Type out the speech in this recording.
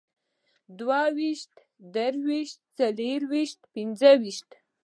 دوهويشت، دريويشت، څلرويشت، پينځهويشت